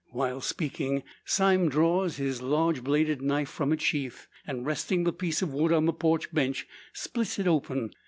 While speaking, Sime draws his large bladed knife from its sheath; and, resting the piece of wood on the porch bench, splits it open.